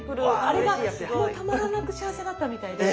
あれがもうたまらなく幸せだったみたいで。